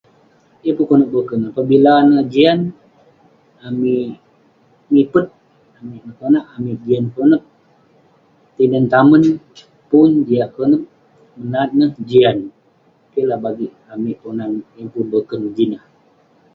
Yeng pun konep boken, pabila neh jian, amik mipet, amik metonak..amik jian konep..tinen tamen pun jian konep menat neh, jian..keh lah bagik amik ponan, yeng pun boken jin ineh.